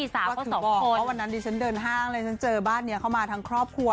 ฉันเดินห้างละบ้านมาทั้งครอบครัว